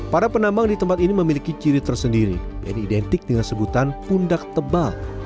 para penambang di tempat ini memiliki ciri tersendiri yang identik dengan sebutan pundak tebal